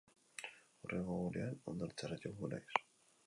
Hurrengo egunean hondartzara joango naiz